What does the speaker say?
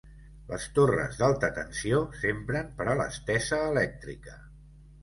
Les torres d'alta tensió s'empren per a l'estesa elèctrica.